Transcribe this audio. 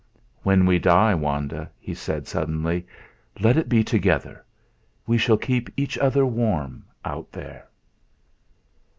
"When we die, Wanda," he said, suddenly, "let it be together. We shall keep each other warm, out there."